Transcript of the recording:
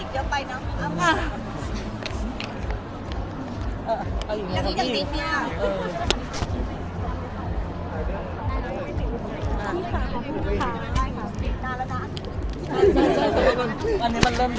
พี่เอ็มเค้าเป็นระบองโรงงานหรือเปลี่ยนไงครับ